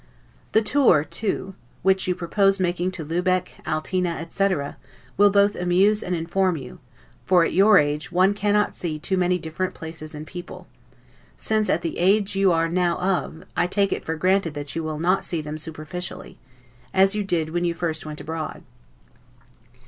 The TOUR too, which you propose making to Lubeck, Altena, etc., will both amuse and inform you; for, at your age, one cannot see too many different places and people; since at the age you are now of, I take it for granted that you will not see them superficially, as you did when you first went abroad.